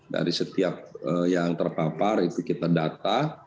dari setiap yang terpapar itu kita data